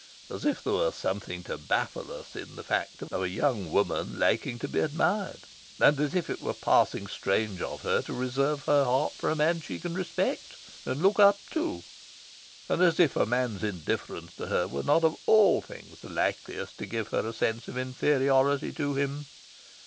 as if there were something to baffle us in the fact of a young woman liking to be admired! And as if it were passing strange of her to reserve her heart for a man she can respect and look up to! And as if a man's indifference to her were not of all things the likeliest to give her a sense of inferiority to him!